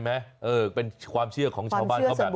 ใช่ไหมเป็นความเชื่อของชาวบ้านก็แบบนั้น